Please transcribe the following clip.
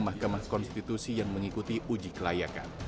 mahkamah konstitusi yang mengikuti uji kelayakan